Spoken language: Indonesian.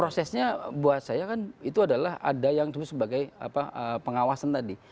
prosesnya buat saya kan itu adalah ada yang disebut sebagai pengawasan tadi